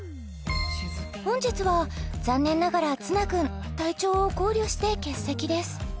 本日は残念ながら綱君体調を考慮して欠席です